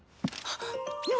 あっ！